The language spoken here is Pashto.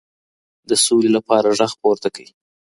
د سولي لپاره ږغ پورته کړئ.